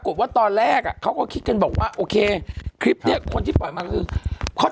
ยูวนกลับมาได้ไงว่าไอ้ต้นจะเหยียบยูหรืออะไร